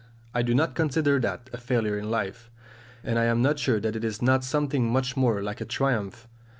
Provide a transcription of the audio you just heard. I do not consider that a failure in life, and I am not sure that it is not something much more like a triumph.